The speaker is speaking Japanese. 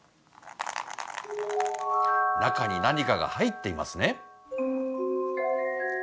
中に何かが入っていますね。